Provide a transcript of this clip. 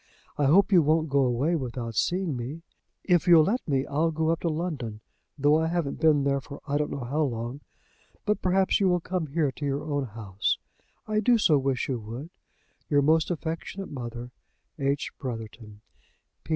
I hope you won't go away without seeing me. If you'll let me, I'll go up to London, though I haven't been there for I don't know how long. But perhaps you will come here to your own house. I do so wish you would. "Your most affectionate mother, "H. BROTHERTON.